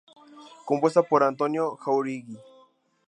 Compuesta por Antonio Jáuregui.